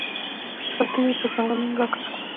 پټو یې پر زنګنونو راکش کړ.